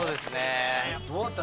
どうだった？